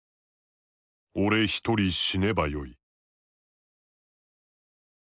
俺一人死ねばよい」。